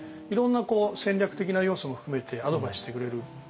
いろんなこう戦略的な要素も含めてアドバイスしてくれる。